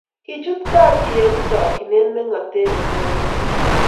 Kichut kapchi eng chokchinet mengotet nengwai nelel